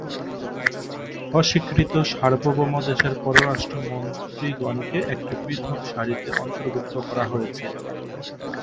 অস্বীকৃত সার্বভৌম দেশের পররাষ্ট্র মন্ত্রীগণকে একটি পৃথক সারণিতে অন্তর্ভুক্ত করা হয়েছে।